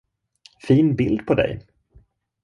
Fin bild på dig!